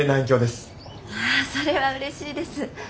まあそれはうれしいです。